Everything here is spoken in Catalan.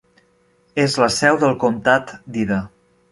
És la seu del comtat d'Ida.